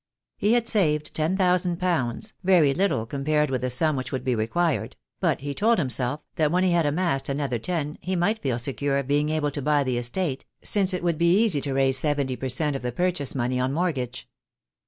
He had saved ten thousand pounds, very little com pared with the sum which would be required; but he told himself that when he had amassed another ten he might feel secure of being able to buy the estate, since it would be easy to raise seventy per cent, of the purchase money on mortgage.